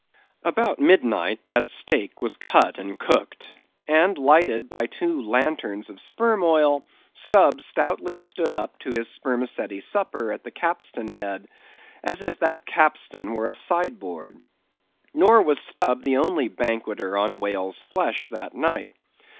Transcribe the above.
About midnight that steak was cut and cooked; and lighted by two lanterns of sperm oil, Stubb stoutly stood up to his spermaceti supper at the capstan head, as if that capstan were a sideboard. Nor was Stubb the only banqueter on whale's flesh that night.